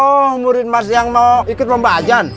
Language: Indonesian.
oh murid mas yang mau ikut lomba ajan